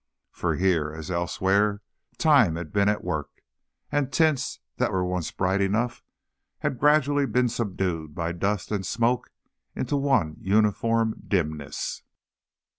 For here, as elsewhere, time had been at work, and tints that were once bright enough had gradually been subdued by dust and smoke into one uniform dimness.